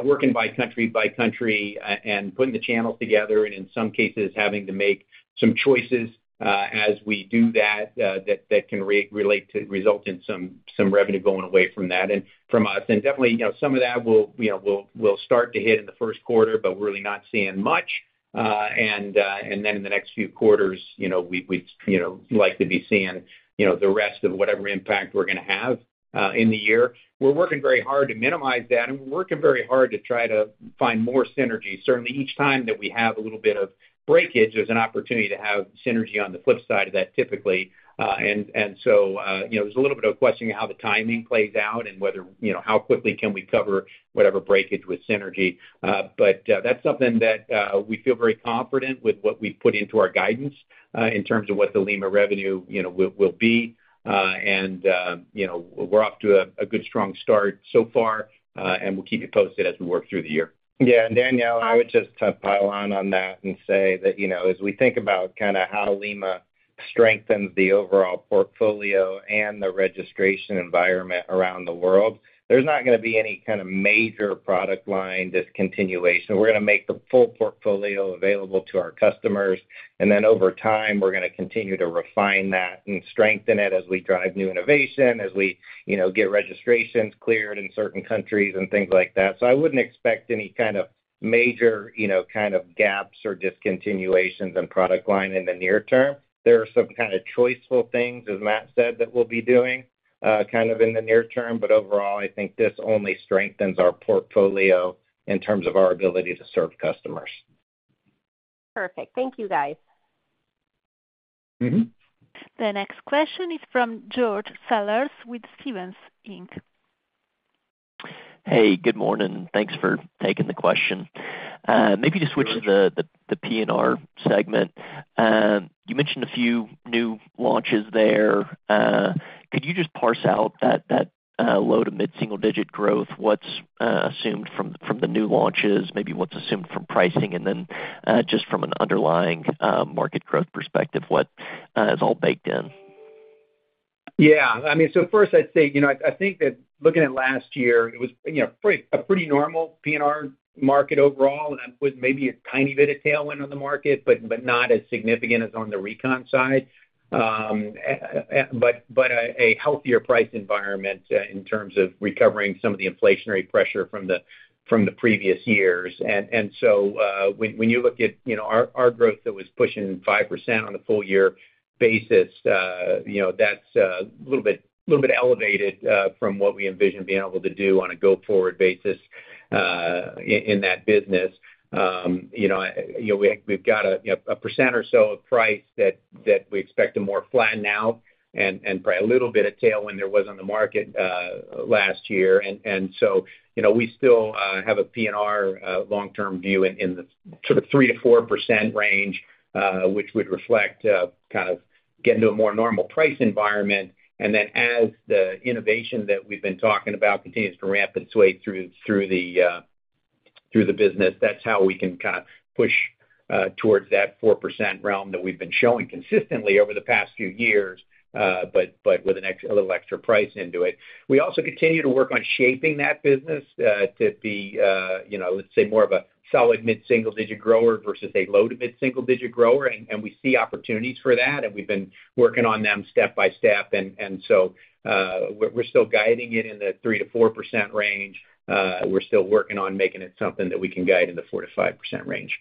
working by country by country and putting the channels together and in some cases, having to make some choices as we do that that can result in some revenue going away from us. And definitely, some of that will start to hit in the first quarter, but we're really not seeing much. And then in the next few quarters, we'd like to be seeing the rest of whatever impact we're going to have in the year. We're working very hard to minimize that, and we're working very hard to try to find more synergy. Certainly, each time that we have a little bit of breakage, there's an opportunity to have synergy on the flip side of that typically. And so there's a little bit of a question of how the timing plays out and how quickly can we cover whatever breakage with synergy. But that's something that we feel very confident with what we've put into our guidance in terms of what the Lima revenue will be. And we're off to a good, strong start so far, and we'll keep you posted as we work through the year. Yeah. And Danielle, I would just pile on on that and say that as we think about kind of how Lima strengthens the overall portfolio and the registration environment around the world, there's not going to be any kind of major product line discontinuation. We're going to make the full portfolio available to our customers. And then over time, we're going to continue to refine that and strengthen it as we drive new innovation, as we get registrations cleared in certain countries and things like that. So I wouldn't expect any kind of major kind of gaps or discontinuations in product line in the near term. There are some kind of choiceful things, as Matt said, that we'll be doing kind of in the near term. But overall, I think this only strengthens our portfolio in terms of our ability to serve customers. Perfect. Thank you, guys. The next question is from George Sellers with Stephens Inc. Hey. Good morning. Thanks for taking the question. Maybe to switch to the P&R segment. You mentioned a few new launches there. Could you just parse out that low to mid-single-digit growth, what's assumed from the new launches, maybe what's assumed from pricing, and then just from an underlying market growth perspective, what is all baked in? Yeah. I mean, so first, I'd say I think that looking at last year, it was a pretty normal P&R market overall with maybe a tiny bit of tailwind on the market but not as significant as on the Recon side, but a healthier price environment in terms of recovering some of the inflationary pressure from the previous years. And so when you look at our growth that was pushing 5% on a full-year basis, that's a little bit elevated from what we envision being able to do on a go-forward basis in that business. We've got a percent or so of price that we expect to more flatten out and probably a little bit of tailwind there was on the market last year. And so we still have a P&R long-term view in the sort of 3%-4% range, which would reflect kind of getting to a more normal price environment. And then as the innovation that we've been talking about continues to ramp its way through the business, that's how we can kind of push towards that 4% realm that we've been showing consistently over the past few years but with a little extra price into it. We also continue to work on shaping that business to be, let's say, more of a solid mid-single-digit grower versus a low to mid-single-digit grower. And we see opportunities for that, and we've been working on them step by step. And so we're still guiding it in the 3%-4% range. We're still working on making it something that we can guide in the 4%-5% range.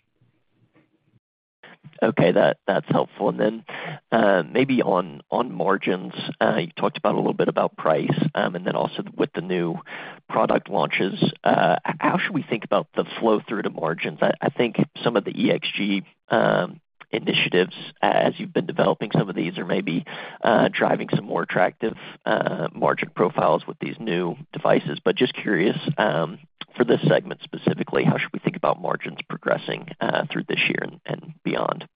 Okay. That's helpful. And then maybe on margins, you talked a little bit about price. And then also with the new product launches, how should we think about the flow through to margins? I think some of the EGX initiatives, as you've been developing some of these, are maybe driving some more attractive margin profiles with these new devices. But just curious, for this segment specifically, how should we think about margins progressing through this year and beyond?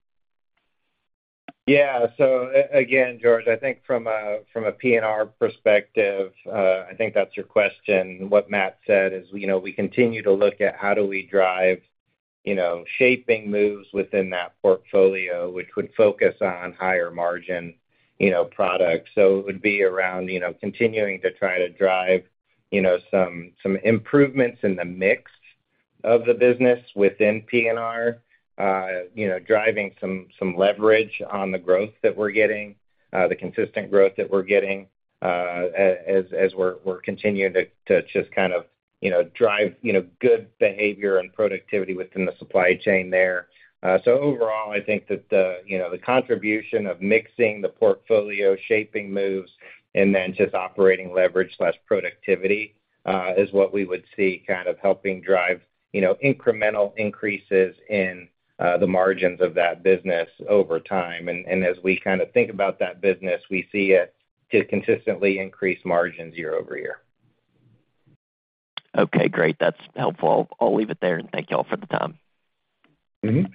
Yeah. So again, George, I think from a P&R perspective, I think that's your question. What Matt said is we continue to look at how do we drive shaping moves within that portfolio, which would focus on higher-margin products. So it would be around continuing to try to drive some improvements in the mix of the business within P&R, driving some leverage on the growth that we're getting, the consistent growth that we're getting as we're continuing to just kind of drive good behavior and productivity within the supply chain there. So overall, I think that the contribution of mixing the portfolio, shaping moves, and then just operating leverage/productivity is what we would see kind of helping drive incremental increases in the margins of that business over time. And as we kind of think about that business, we see it to consistently increase margins year-over-year. Okay. Great. That's helpful. I'll leave it there, and thank you all for the time. The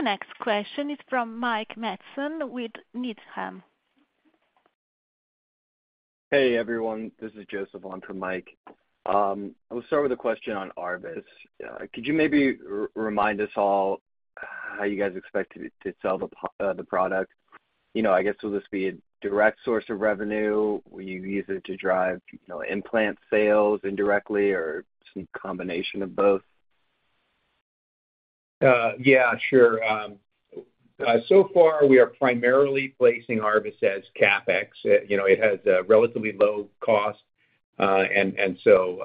next question is from Mike Matson with Needham. Hey, everyone. This is Joseph on from Mike. I'll start with a question on ARVIS. Could you maybe remind us all how you guys expect to sell the product? I guess will this be a direct source of revenue? Will you use it to drive implant sales indirectly or some combination of both? Yeah. Sure. So far, we are primarily placing ARVIS as CapEx. It has a relatively low cost. And so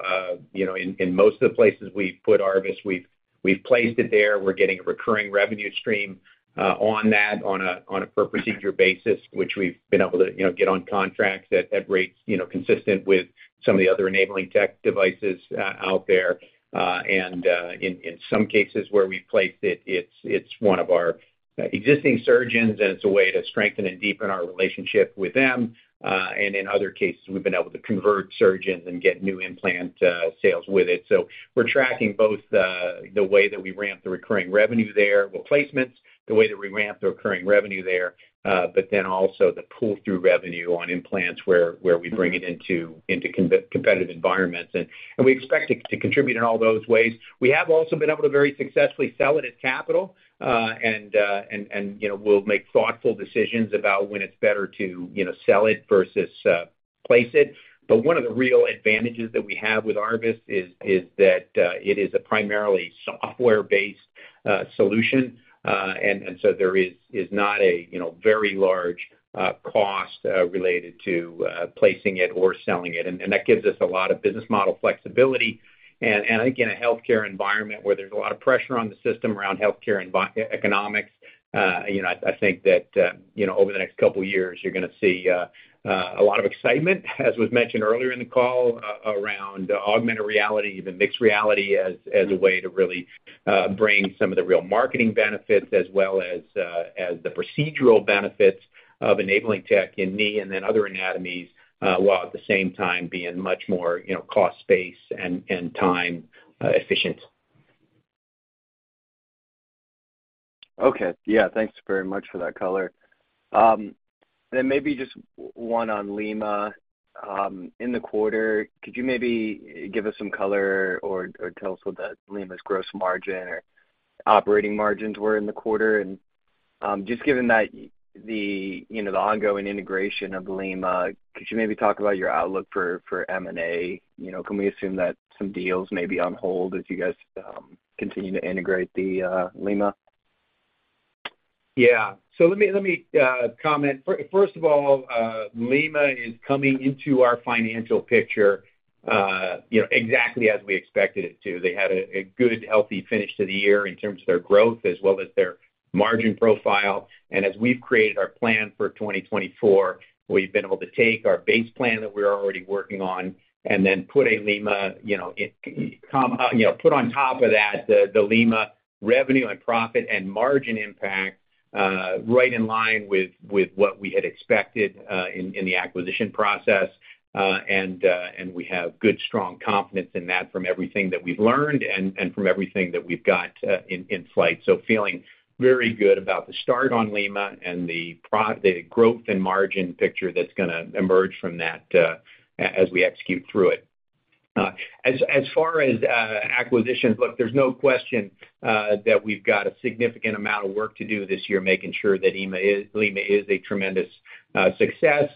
in most of the places we've put ARVIS, we've placed it there. We're getting a recurring revenue stream on that on a per-procedure basis, which we've been able to get on contracts at rates consistent with some of the other enabling tech devices out there. And in some cases where we've placed it, it's one of our existing surgeons, and it's a way to strengthen and deepen our relationship with them. And in other cases, we've been able to convert surgeons and get new implant sales with it. So we're tracking both the way that we ramp the recurring revenue there, well, placements, the way that we ramp the recurring revenue there, but then also the pull-through revenue on implants where we bring it into competitive environments. We expect to contribute in all those ways. We have also been able to very successfully sell it as capital, and we'll make thoughtful decisions about when it's better to sell it versus place it. But one of the real advantages that we have with ARVIS is that it is a primarily software-based solution. And so there is not a very large cost related to placing it or selling it. And that gives us a lot of business model flexibility. I think in a healthcare environment where there's a lot of pressure on the system around healthcare economics, I think that over the next couple of years, you're going to see a lot of excitement, as was mentioned earlier in the call, around augmented reality, even mixed reality as a way to really bring some of the real marketing benefits as well as the procedural benefits of enabling tech in knee and then other anatomies while at the same time being much more cosT, space and time-efficient. Okay. Yeah. Thanks very much for that color. And then maybe just one on Lima. In the quarter, could you maybe give us some color or tell us what that Lima's gross margin or operating margins were in the quarter? And just given that the ongoing integration of Lima, could you maybe talk about your outlook for M&A? Can we assume that some deals may be on hold as you guys continue to integrate the Lima? Yeah. So let me comment. First of all, Lima is coming into our financial picture exactly as we expected it to. They had a good, healthy finish to the year in terms of their growth as well as their margin profile. And as we've created our plan for 2024, we've been able to take our base plan that we're already working on and then put a Lima put on top of that the Lima revenue and profit and margin impact right in line with what we had expected in the acquisition process. And we have good, strong confidence in that from everything that we've learned and from everything that we've got in flight. So feeling very good about the start on Lima and the growth and margin picture that's going to emerge from that as we execute through it. As far as acquisitions, look, there's no question that we've got a significant amount of work to do this year making sure that Lima is a tremendous success.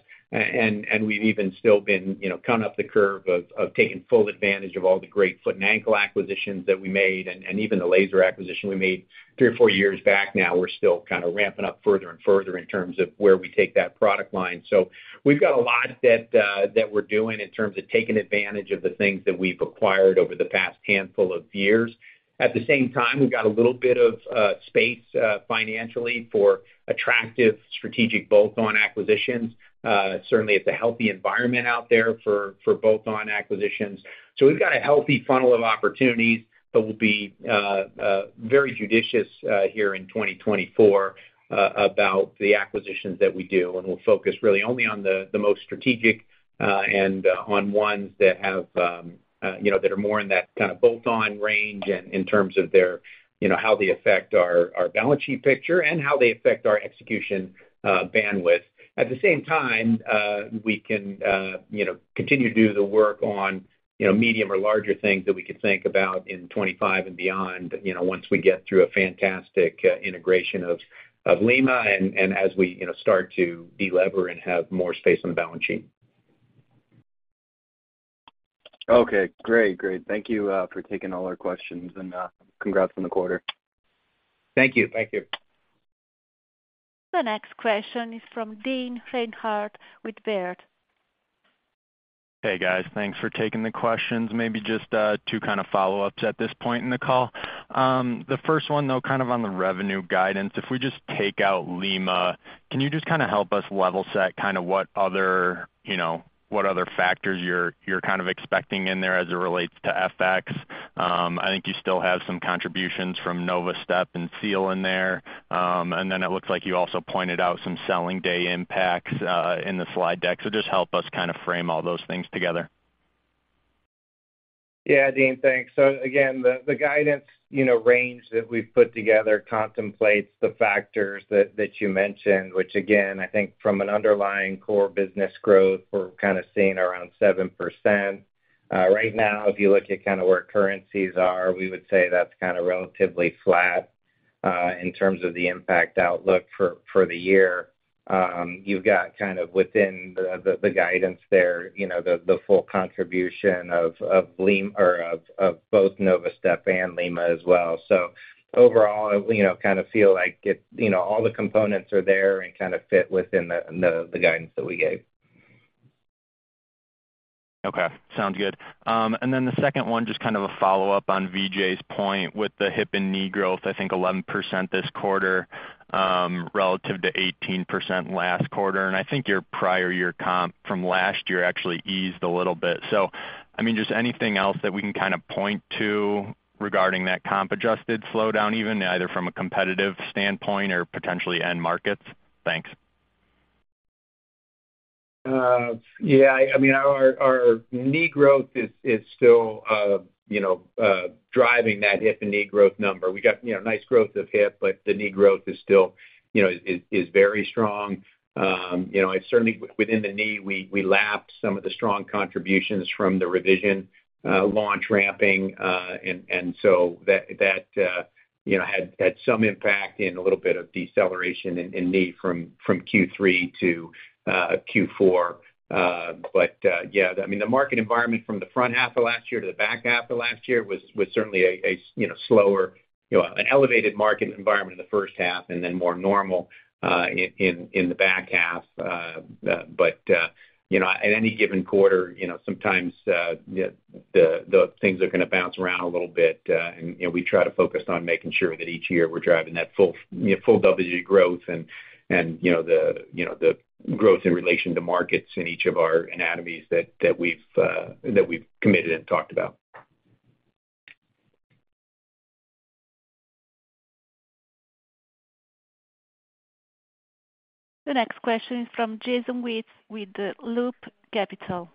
We've even still been kind of up the curve of taking full advantage of all the great foot and ankle acquisitions that we made. And even the laser acquisition we made three or four years back now, we're still kind of ramping up further and further in terms of where we take that product line. So we've got a lot that we're doing in terms of taking advantage of the things that we've acquired over the past handful of years. At the same time, we've got a little bit of space financially for attractive strategic bolt-on acquisitions. Certainly, it's a healthy environment out there for bolt-on acquisitions. We've got a healthy funnel of opportunities, but we'll be very judicious here in 2024 about the acquisitions that we do. We'll focus really only on the most strategic and on ones that are more in that kind of bolt-on range in terms of how they affect our balance sheet picture and how they affect our execution bandwidth. At the same time, we can continue to do the work on medium or larger things that we could think about in 2025 and beyond once we get through a fantastic integration of Lima and as we start to delever and have more space on the balance sheet. Okay. Great. Great. Thank you for taking all our questions, and congrats on the quarter. Thank you. Thank you. The next question is from Dane Reinhardt with Baird. Hey, guys. Thanks for taking the questions. Maybe just two kind of follow-ups at this point in the call. The first one, though, kind of on the revenue guidance, if we just take out Lima, can you just kind of help us level set kind of what other factors you're kind of expecting in there as it relates to FX? I think you still have some contributions from Novastep and Mathys in there. And then it looks like you also pointed out some selling day impacts in the slide deck. So just help us kind of frame all those things together. Yeah, Dane. Thanks. So again, the guidance range that we've put together contemplates the factors that you mentioned, which again, I think from an underlying core business growth, we're kind of seeing around 7%. Right now, if you look at kind of where currencies are, we would say that's kind of relatively flat in terms of the impact outlook for the year. You've got kind of within the guidance there, the full contribution of both Novastep and Lima as well. So overall, I kind of feel like all the components are there and kind of fit within the guidance that we gave. Okay. Sounds good. And then the second one, just kind of a follow-up on VJ's point with the hip and knee growth, I think 11% this quarter relative to 18% last quarter. And I think your prior year comp from last year actually eased a little bit. So I mean, just anything else that we can kind of point to regarding that comp-adjusted slowdown, even either from a competitive standpoint or potentially end markets? Thanks. Yeah. I mean, our knee growth is still driving that hip and knee growth number. We got nice growth of hip, but the knee growth is still very strong. Certainly, within the knee, we lapped some of the strong contributions from the revision launch ramping. And so that had some impact in a little bit of deceleration in knee from Q3 to Q4. But yeah, I mean, the market environment from the front half of last year to the back half of last year was certainly a slower, an elevated market environment in the first half and then more normal in the back half. But in any given quarter, sometimes things are going to bounce around a little bit. We try to focus on making sure that each year we're driving that full WG growth and the growth in relation to markets in each of our anatomies that we've committed and talked about. The next question is from Jason Wittes with Loop Capital.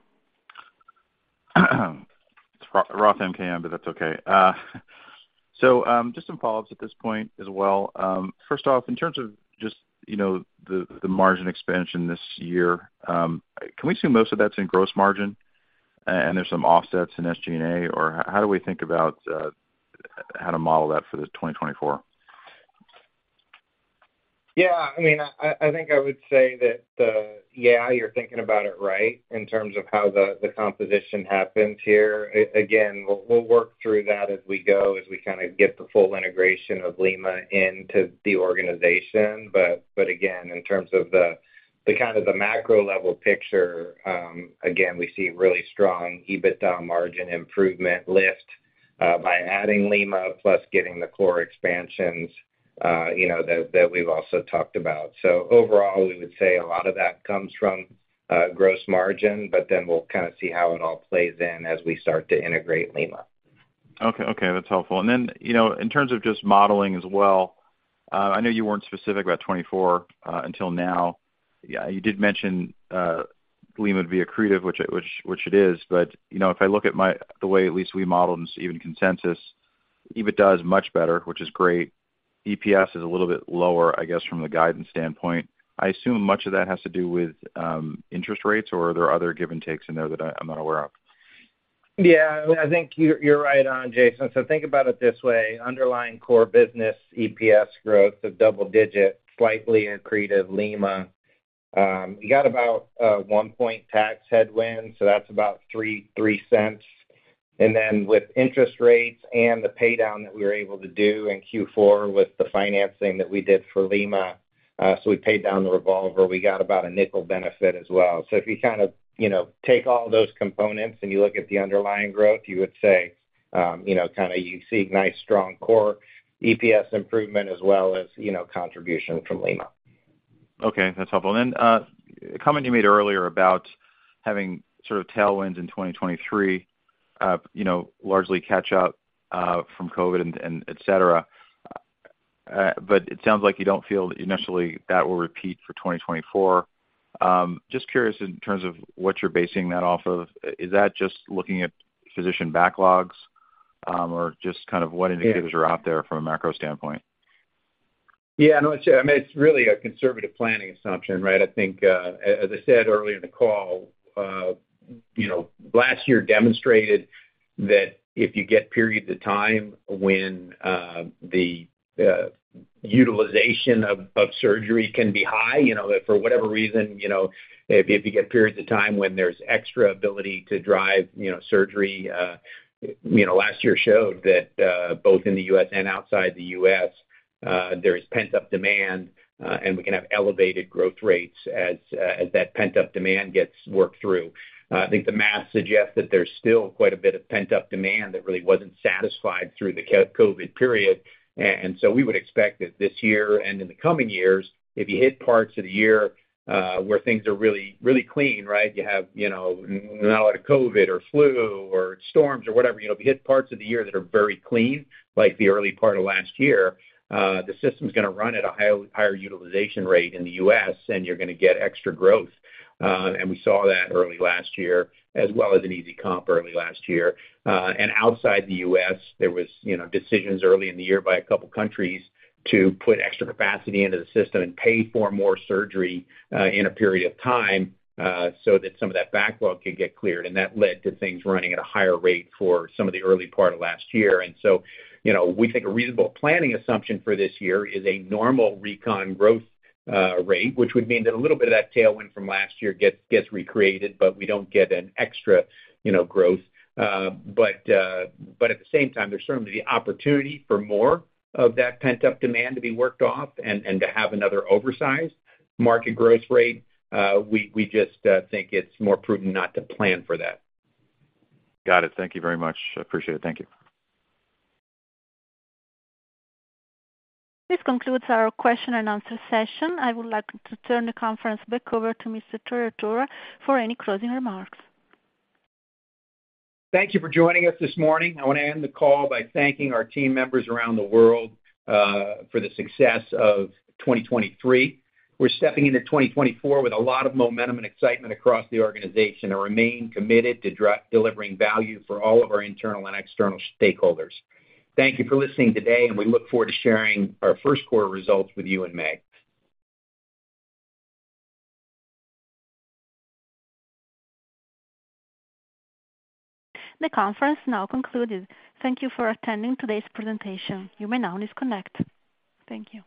It's Roth MKM, but that's okay. So just some follow-ups at this point as well. First off, in terms of just the margin expansion this year, can we assume most of that's in gross margin and there's some offsets in SG&A, or how do we think about how to model that for this 2024? Yeah. I mean, I think I would say that, yeah, you're thinking about it right in terms of how the composition happens here. Again, we'll work through that as we go as we kind of get the full integration of Lima into the organization. But again, in terms of kind of the macro-level picture, again, we see really strong EBITDA margin improvement lift by adding Lima plus getting the core expansions that we've also talked about. So overall, we would say a lot of that comes from gross margin, but then we'll kind of see how it all plays in as we start to integrate Lima. Okay. Okay. That's helpful. And then in terms of just modeling as well, I know you weren't specific about 2024 until now. You did mention Lima would be accretive, which it is. But if I look at the way at least we modeled and even consensus, EBITDA is much better, which is great. EPS is a little bit lower, I guess, from the guidance standpoint. I assume much of that has to do with interest rates, or are there other give and takes in there that I'm not aware of? Yeah. I mean, I think you're right on, Jason. So think about it this way: underlying core business EPS growth of double-digit, slightly accretive Lima. We got about one-point tax headwind, so that's about $0.03. And then with interest rates and the paydown that we were able to do in Q4 with the financing that we did for Lima so we paid down the revolver, we got about a $0.05 benefit as well. So if you kind of take all those components and you look at the underlying growth, you would say kind of you see nice, strong core EPS improvement as well as contribution from Lima. Okay. That's helpful. And then a comment you made earlier about having sort of tailwinds in 2023 largely catch up from COVID, etc. But it sounds like you don't feel initially that will repeat for 2024. Just curious in terms of what you're basing that off of, is that just looking at physician backlogs or just kind of what indicators are out there from a macro standpoint? Yeah. No, it's true. I mean, it's really a conservative planning assumption, right? I think, as I said earlier in the call, last year demonstrated that if you get periods of time when the utilization of surgery can be high, that for whatever reason, if you get periods of time when there's extra ability to drive surgery last year showed that both in the U.S. and outside the U.S., there is pent-up demand, and we can have elevated growth rates as that pent-up demand gets worked through. I think the math suggests that there's still quite a bit of pent-up demand that really wasn't satisfied through the COVID period. And so we would expect that this year and in the coming years, if you hit parts of the year where things are really clean, right, you have not a lot of COVID or flu or storms or whatever, if you hit parts of the year that are very clean like the early part of last year, the system's going to run at a higher utilization rate in the U.S., and you're going to get extra growth. And we saw that early last year as well as an easy comp early last year. And outside the U.S., there were decisions early in the year by a couple of countries to put extra capacity into the system and pay for more surgery in a period of time so that some of that backlog could get cleared. And that led to things running at a higher rate for some of the early part of last year. So we think a reasonable planning assumption for this year is a normal Recon growth rate, which would mean that a little bit of that tailwind from last year gets recreated, but we don't get an extra growth. But at the same time, there's certainly the opportunity for more of that pent-up demand to be worked off and to have another oversized market growth rate. We just think it's more prudent not to plan for that. Got it. Thank you very much. Appreciate it. Thank you. This concludes our question-and-answer session. I would like to turn the conference back over to Mr. Trerotola for any closing remarks. Thank you for joining us this morning. I want to end the call by thanking our team members around the world for the success of 2023. We're stepping into 2024 with a lot of momentum and excitement across the organization and remain committed to delivering value for all of our internal and external stakeholders. Thank you for listening today, and we look forward to sharing our first quarter results with you in May. The conference now concludes. Thank you for attending today's presentation. You may now disconnect. Thank you.